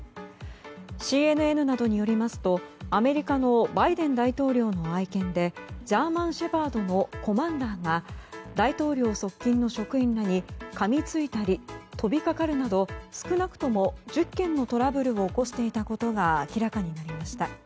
ＣＮＮなどによりますとアメリカのバイデン大統領の愛犬でジャーマンシェパードのコマンダーが大統領側近の職員らにかみついたりとびかかるなど少なくとも１０件のトラブルを起こしていたことが明らかになりました。